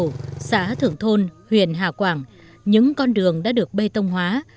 ở lục khu xã thưởng thôn huyện hà quảng những con đường đã được bê tông hóa